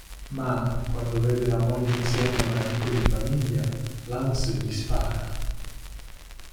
Ma, quando vede la moglie insieme a un amico di famiglia, Lance gli spara.